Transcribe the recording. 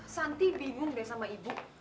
santi bingung deh sama ibu